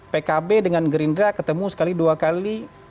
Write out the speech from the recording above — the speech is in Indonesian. pkb dengan gerindra ketemu sekali dua kali